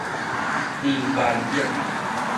林萬億